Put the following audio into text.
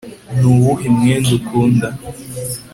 nuwuhe mwenda ukunda